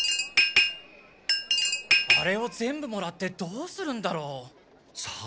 あれを全部もらってどうするんだろう？さあ。